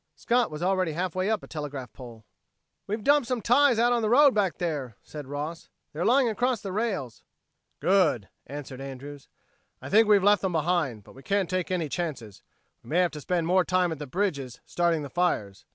Scott was already halfway up a telegraph pole. "We dumped some ties out on the road back there," said Ross. "They're lying across the rails." "Good!" answered Andrews. "I think we've left them behind, but we can't take any chances. We may have to spend more time at the bridges starting the fires."